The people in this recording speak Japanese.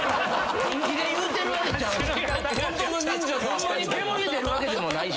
ホンマに煙出るわけでもないし。